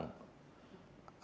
artinya kalau barang sitaan ini